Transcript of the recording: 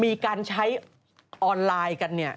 มีการใช้ออนไลน์กันเนี่ย